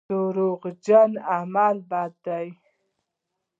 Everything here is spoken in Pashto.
دروغجن عمل بد دی.